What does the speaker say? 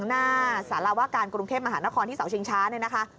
หน้าสารวาการกรุงเทพมหานครที่เสาชิงช้าเนี่ยนะคะ